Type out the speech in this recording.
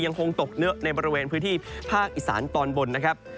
ยังคงตกเยอะในบริเวณพื้นที่ภาคอีสานตอนบนนะครับ